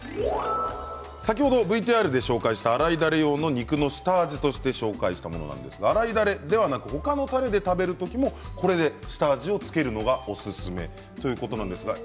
先ほどＶＴＲで紹介した洗いダレ用の肉の下味として紹介したものですが洗いダレではなく他のタレで食べる時もこれで下味を付けるのがおすすめということです。